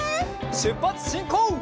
しゅっぱつしんこう！